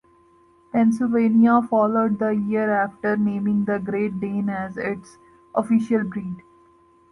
Pennsylvania followed the year after, naming the Great Dane as its official breed.